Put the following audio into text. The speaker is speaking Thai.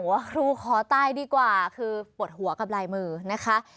ว่าครูขอตายดีกว่าคือปวดหัวกับลายมือนะคะ